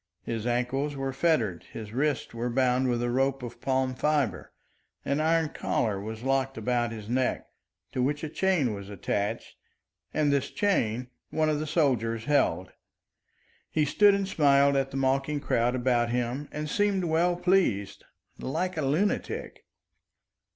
His ankles were fettered, his wrists were bound with a rope of palm fibre, an iron collar was locked about his neck, to which a chain was attached, and this chain one of the soldiers held. He stood and smiled at the mocking crowd about him and seemed well pleased, like a lunatic.